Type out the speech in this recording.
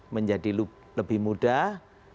menjadi lebih mudah